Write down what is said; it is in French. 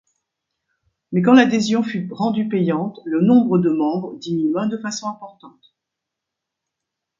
Mais quand l'adhésion fut rendue payante, le nombre de membres diminua de façon importante.